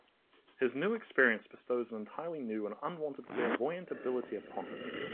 His experience bestows an entirely new and unwanted clairvoyant ability upon him.